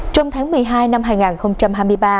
trong tháng một mươi hai năm hai nghìn hai mươi ba